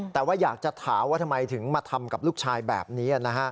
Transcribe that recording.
แต่ว่าอยากจะถามว่าทำไมถึงมาทำกับลูกชายแบบนี้